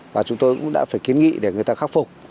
và chúng tôi cũng đã phải kiến nghị để người ta khắc phục